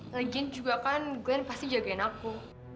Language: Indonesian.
lagian juga kan glenn pasti jagain aku